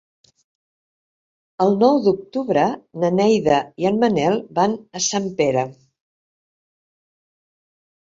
El nou d'octubre na Neida i en Manel van a Sempere.